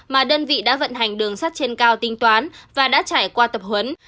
mà đơn vị đã vận hành đường sắt trên cao tính toán và đã trải qua tập huấn